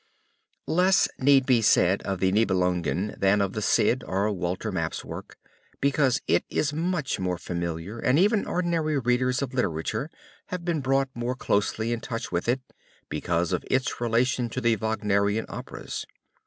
Less need be said of the Nibelungen than of the Cid or Walter Map's work because it is much more familiar, and even ordinary readers of literature have been brought more closely in touch with it because of its relation to the Wagnerian operas.